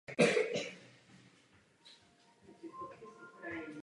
Poprvé si zahrála v televizním seriálu "Zázraky života".